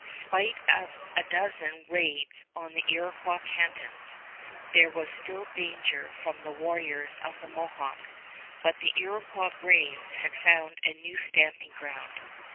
Spite of a dozen raids on the Iroquois cantons, there was still danger from the warriors of the Mohawk, but the Iroquois braves had found a new stamping ground.